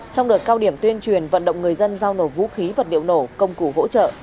trong đợt cao điểm tuyên truyền vận động người dân giao nổ vũ khí vật liệu nổ công cụ hỗ trợ